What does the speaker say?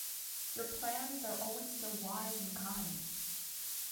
Your plans are always so wise and kind!